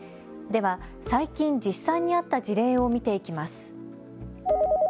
では、最近、実際にあった事例を見ていきます。